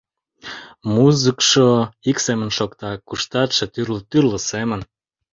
Музыкшо ик семын шокта, куштатше тӱрлӧ-тӱрлӧ семын.